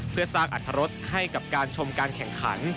เพื่อสร้างอัตรรสให้กับการชมการแข่งขัน